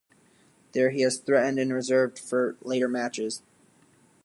There he was threatened and reserved for later matches.